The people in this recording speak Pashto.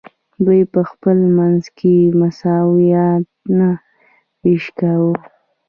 دوی په خپل منځ کې مساویانه ویش کاوه.